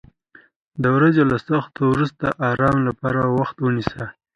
د ورځې له سختیو وروسته د آرام لپاره وخت ونیسه.